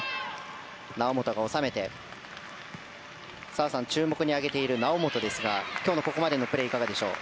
澤さんが注目に挙げている猶本ですが今日のここまでのプレーいかがでしょう？